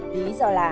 lý do là